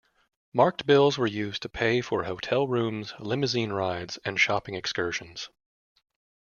Marked bills were used to pay for hotel rooms, limousine rides and shopping excursions.